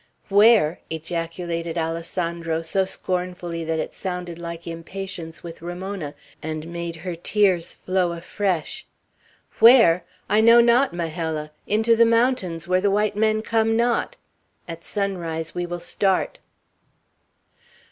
"Where?" ejaculated Alessandro, so scornfully that it sounded like impatience with Ramona, and made her tears flow afresh. "Where? I know not, Majella! Into the mountains, where the white men come not! At sunrise we will start."